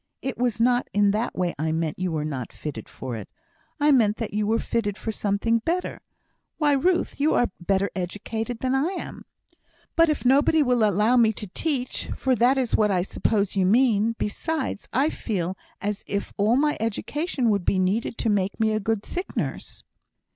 "It was not in that way I meant you were not fitted for it. I meant that you were fitted for something better. Why, Ruth, you are better educated than I am!" "But if nobody will allow me to teach? for that is what I suppose you mean. Besides, I feel as if all my education would be needed to make me a good sick nurse."